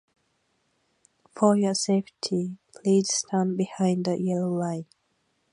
For your safety, please stand behind the yellow line.